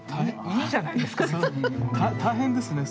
いいじゃないですか。